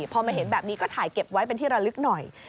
พอมาเห็นแบบนี้ก็ถ่ายเก็บไว้เป็นที่ระลึกหน่อย